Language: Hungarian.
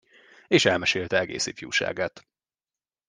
És elmesélte egész ifjúságát.